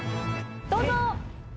どうぞ。